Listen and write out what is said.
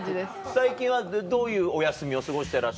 最近はどういうお休みを過ごしてらっしゃるの？